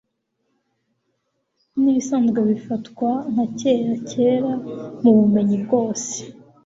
Nibisanzwe Bifatwa Nka Kera Kera Mubumenyi bwose